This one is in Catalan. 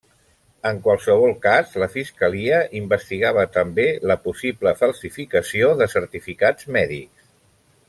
En qualsevol cas, la Fiscalia investigava també la possible falsificació de certificats mèdics.